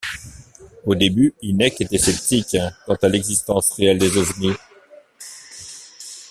Au début, Hynek était sceptique quant à l'existence réelle des ovnis.